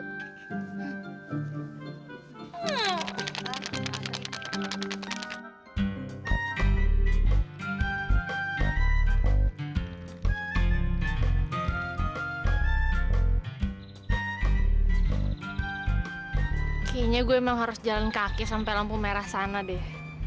kayaknya gue memang harus jalan kaki sampai lampu merah sana deh